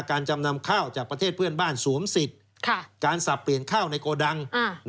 จำนำข้าวจากประเทศเพื่อนบ้านสวมสิทธิ์การสับเปลี่ยนข้าวในโกดัง